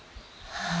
はあ。